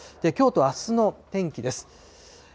きょうとあすの天気です。